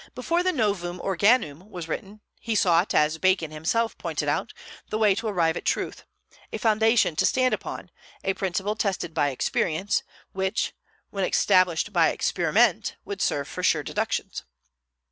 Before the "Novum Organum" was written, he sought, as Bacon himself pointed out, the way to arrive at truth, a foundation to stand upon, a principle tested by experience, which, when established by experiment, would serve for sure deductions.